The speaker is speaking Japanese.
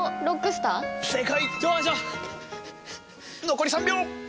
残り３秒。